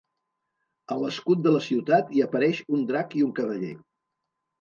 A l'escut de la ciutat hi apareix un drac i un cavaller.